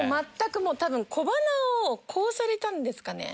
多分小鼻をこうされたんですかね？